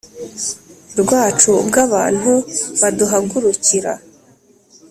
Rwacu ubwo abantu baduhagurukira